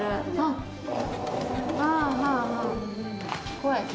怖い。